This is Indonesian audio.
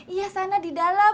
iya sana di dalam